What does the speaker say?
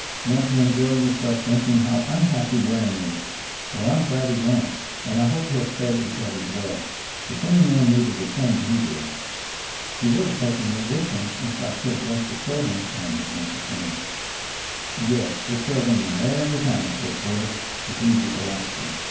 "Want to enjoy yourself thinking how unhappy Waring is. Well, I'm glad he went, and I hope he'll stay until he's well; if any man needed a change, he did." "He would have taken me with him if I could have left the children," murmured Mrs. Waring. "Yes, the children win every time," said Porter with easy philosophy.